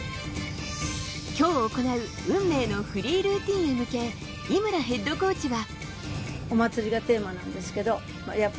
今日行う運命のフリールーティンに向け井村ヘッドコーチは。